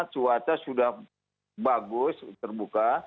cuaca sudah bagus terbuka